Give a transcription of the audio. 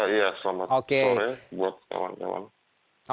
iya selamat sore buat kawan kawan